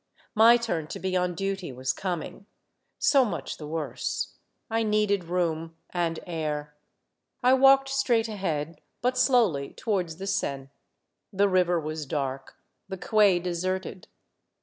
My turn to be on duty was coming. So much the worse. I needed room, and air. I walked straight ahead, but slowly, towards the Seine. The river was dark, the quay deserted.